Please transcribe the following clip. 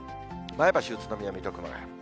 前橋、宇都宮、水戸、熊谷。